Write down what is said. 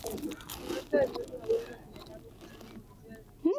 Hudhoofisha juhudi na uwezo wa binadamu kusimamia na kutumia rasilimali kwa njia endelevu